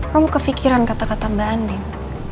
kamu kefikiran kata kata mbak andin